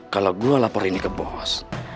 kalau gua lapor ini ke bos